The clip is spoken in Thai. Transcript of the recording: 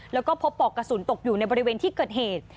แล้วก็พบปอกกระสุนตกอยู่ในบริเวณที่เกิดเหตุ